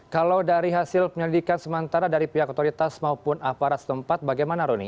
kalau dari hasil penyelidikan sementara dari pihak otoritas maupun aparat setempat bagaimana roni